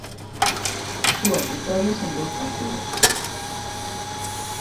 Dúas vitorias en dous partidos.